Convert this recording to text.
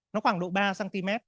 nó khoảng độ ba cm